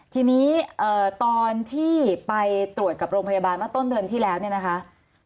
ทีนี้ตอนที่ไปตรวจกับโรงพยาบาลเมื่อต้นเดือนที่แล้วเนี่ยนะคะ